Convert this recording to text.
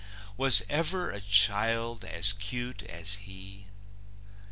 Was ever a child as cute as he?"